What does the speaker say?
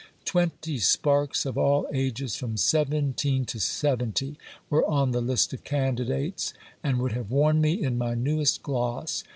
Twenty sparks of all ages, from seventeen to seventy, were on the list of candidates, and would have worn me in my newest gloss.